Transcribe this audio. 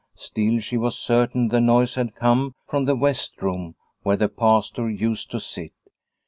Still she was certain the noise had come from the west room where the Pastor used to sit.